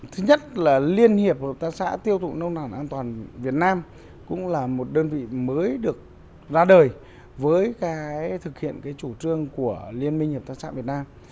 thứ nhất là liên hiệp hợp tác xã tiêu thụ nông sản an toàn việt nam cũng là một đơn vị mới được ra đời với thực hiện cái chủ trương của liên minh hợp tác xã việt nam